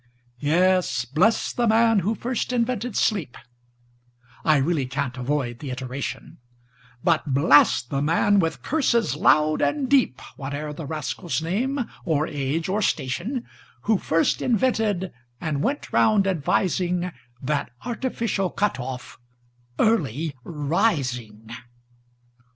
Yes; bless the man who first invented sleep(I really can't avoid the iteration),But blast the man, with curses loud and deep, Whate'er the rascal's name, or age, or station, Who first invented, and went round advising, That artificial cut off, Early Rising!